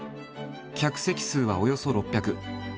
客席数はおよそ６００。